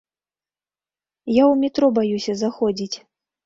Я ў метро баюся заходзіць.